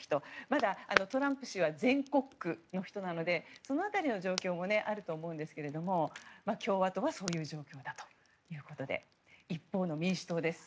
まだトランプ氏は全国区の人なのでその辺りの状況もあると思うんですけれども共和党はそういう状況だということで一方の民主党です。